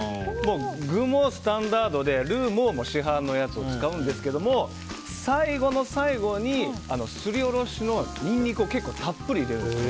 具もスタンダードでルーも市販のものを使うんですけど、最後の最後にすりおろしのニンニクを結構たっぷり入れるんです。